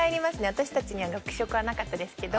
私たちには学食はなかったですけど。